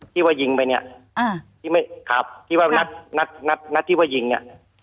ที่ว่ายิงไปเนี่ยครับที่นัดเจ้ายิงเนี่ย